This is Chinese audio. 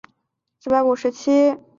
以其在计量史学领域的贡献而闻名。